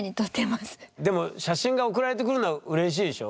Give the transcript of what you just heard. でも写真が送られてくるのはうれしいでしょ？